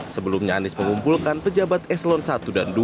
sebelumnya anies mengumpulkan pejabat eselon satu dan dua